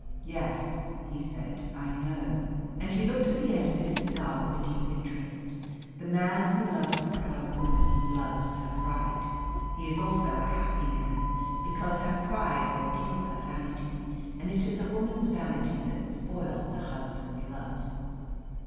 "Yes," he said; "I know." And he looked at the end of his cigar with a deep interest. The man who loves a proud woman loves her pride. He is also a happy man, because her pride will kill her vanity, and it is a woman's vanity that spoils a husband's love.